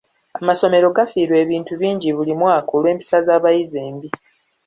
Amasomero gafiirwa ebintu bingi buli mwaka olw'empisa z'abayizi embi.